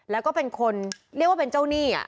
แล้วก็เป็นคนเรียกว่าเป็นเจ้าหนี้